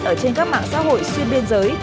ở trên các mạng xã hội xuyên biên giới